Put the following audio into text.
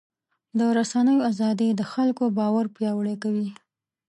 د رسنیو ازادي د خلکو باور پیاوړی کوي.